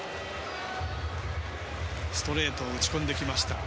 ストレートに打ち込んできました。